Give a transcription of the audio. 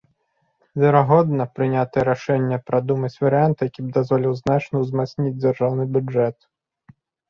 Верагодна, прынятае рашэнне прадумаць варыянт, які б дазволіў значна ўзмацніць дзяржаўны бюджэт.